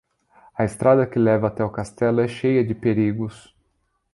A estrada que leva até o castelo é cheia de perigos